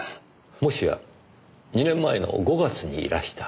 もしや２年前の５月にいらした。